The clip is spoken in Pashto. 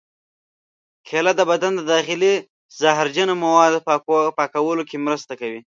کېله د بدن د داخلي زهرجنو موادو پاکولو کې مرسته کوي.